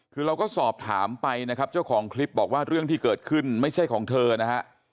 คือเราก็สอบถามไปนะครับเจ้าของคลิปบอกว่าเรื่องที่เกิดขึ้นไม่ใช่ของเธอนะฮะ